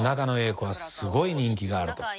子はすごい人気があると。